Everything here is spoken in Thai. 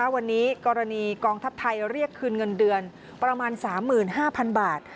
วันนี้กรณีกองทัพไทยเรียกคืนเงินเดือนประมาณ๓๕๐๐๐บาท